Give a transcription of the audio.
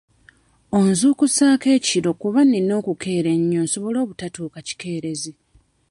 Onzuukusaako ekiro kuba nnina okukeera ennyo nsobole obutatuuka kikeerezi.